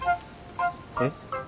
えっ？